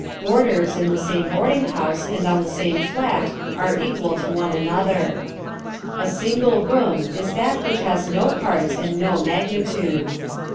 Boarders in the same boarding house and on the same flat are equal to one another. A single room is that which has no parts and no magnitude.